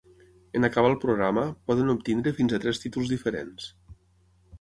En acabar el programa, poden obtenir fins a tres títols diferents.